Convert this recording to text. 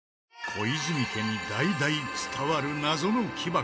小泉家に代々伝わる謎の木箱。